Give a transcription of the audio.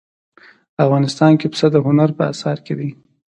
افغانستان کې پسه د هنر په اثار کې دي.